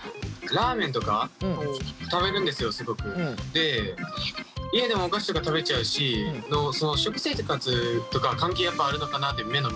で家でもお菓子とか食べちゃうし食生活とか関係やっぱあるのかなって目のむくみで。